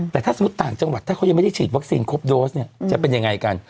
แต่ถ้าสมมุติต่างจังหวัดถ้าเขายังไม่ได้ฉีดวัคซีนครบโดสเนี่ยจะเป็นยังไงกัน